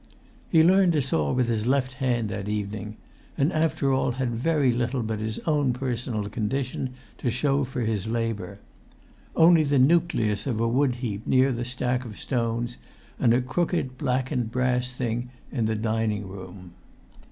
He learnt to saw with his left hand that evening; and after all had very little but his own personal condition to show for his labour: only the nucleus of a wood heap near the stack of stones, and a crooked, blackened, brass thing in the dining room.